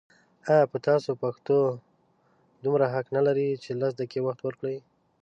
آيا په تاسو پښتو ژبه دومره حق نه لري چې لس دقيقې وخت ورکړئ